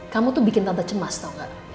kamu tuh bikin tanda cemas tau gak